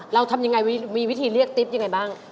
เราทำอย่างไรมีวิธีเรียกติ๊บอย่างไรบ้าง